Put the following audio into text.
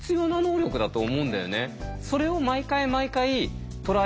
それを毎回毎回トライ